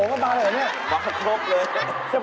อ้าว